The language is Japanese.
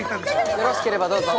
よろしければどうぞ。